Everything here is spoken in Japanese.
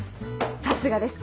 さすがです